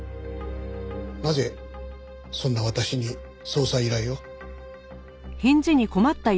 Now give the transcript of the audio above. なぜそんな私に捜査依頼を？